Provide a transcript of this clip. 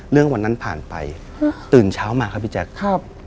เรื่องวันนั้นผ่านไปตื่นเช้ามาครับพี่แจ๊คครับ